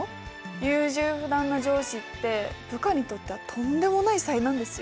優柔不断な上司って部下にとってはとんでもない災難ですよ。